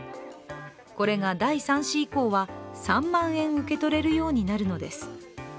これが第３子以降は、３万円受け取れるようになるのです。